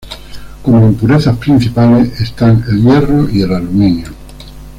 Como impurezas principales están el hierro y el aluminio.